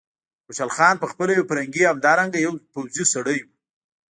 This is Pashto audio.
خوشحال خان په خپله یو فرهنګي او همدارنګه یو پوځي سړی و.